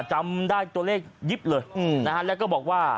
จำได้ตัวเลขยิบเลยนะฮะแล้วก็บอกว่า